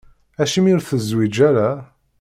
Acimi ur tezwiǧ ara?